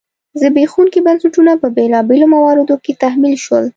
زبېښونکي بنسټونه په بېلابېلو مواردو کې تحمیل شول.